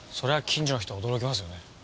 近所の人驚きますよね。